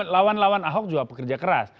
lawan lawan ahok juga pekerja keras